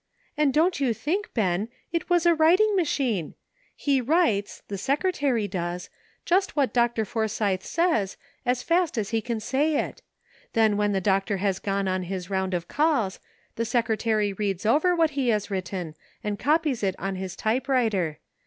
"And don't you think, Ben, it was a writing machine ! He writes — the secretary does — just what Dr. For sythe says, as fast as he can say it. Then when the doctor has gone on his round of calls, the secretary reads over what he has written, and copies it on his type writer.